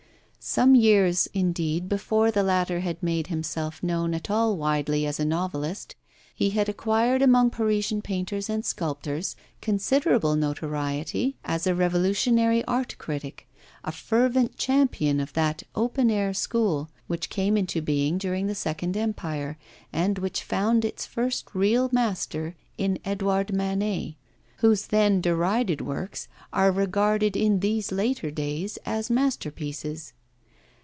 Some years, indeed, before the latter had made himself known at all widely as a novelist, he had acquired among Parisian painters and sculptors considerable notoriety as a revolutionary art critic, a fervent champion of that 'Open air' school which came into being during the Second Empire, and which found its first real master in Edouard Manet, whose then derided works are regarded, in these later days, as masterpieces.